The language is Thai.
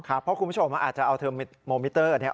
เพราะคุณผู้ชมอาจจะเอาเทอร์โมมิเตอร์เนี่ย